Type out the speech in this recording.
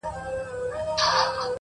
ستا د مخ له اب سره ياري کوي ـ